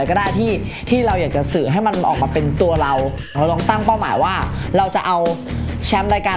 วันนี้เลือกเพลงสงสารกันหน่อยนะครับ